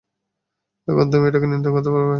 এখন তুমি এটাকে নিয়ন্ত্রণ করতে পারবে।